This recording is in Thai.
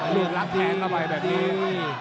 รูปลั๊กแนงละไปแบบนี้